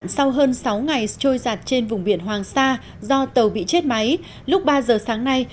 sau hơn sáu ngày trôi giặt trên vùng biển hoàng sa do tàu bị chết máy lúc ba giờ sáng nay